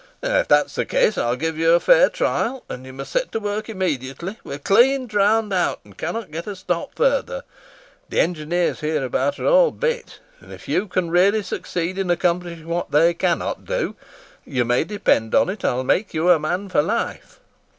"If that's the case, I'll give you a fair trial, and you must set to work immediately. We are clean drowned out, and cannot get a stop further. The engineers hereabouts are all bet; and if you really succeed in accomplishing what they cannot do, you may depend upon it I will make you a man for life."